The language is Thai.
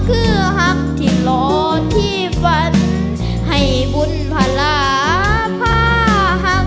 คือหักที่รอที่ฝันให้บุญภาระพาหัก